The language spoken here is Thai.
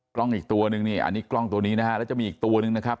กล้องอีกตัวนึงนี่อันนี้กล้องตัวนี้นะฮะแล้วจะมีอีกตัวหนึ่งนะครับ